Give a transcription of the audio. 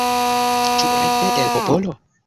Ĉu rekte el popolo?